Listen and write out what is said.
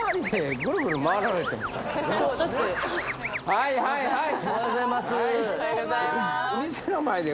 はいはいはい。